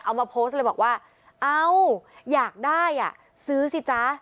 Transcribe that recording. เอามาโพสต์เลยบอกว่าเอาอยากได้อ่ะซื้อสิจ๊ะ